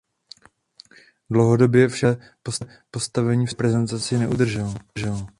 Dlouhodobě však své postavení v sovětské reprezentaci neudržel.